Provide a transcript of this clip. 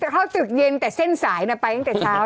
เข้าตึกเย็นแต่เส้นสายนะไปตั้งแต่เช้าแล้ว